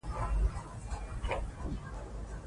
مالي قانون باید مراعات شي.